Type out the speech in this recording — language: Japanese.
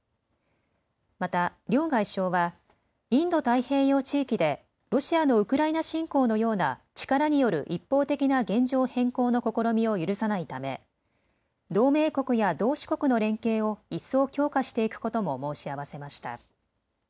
また両外相はインド太平洋地域でロシアのウクライナ侵攻のような力による一方的な現状変更の試みを許さないため同盟国や同志国の連携を一層、強化していくことも申し合わせました。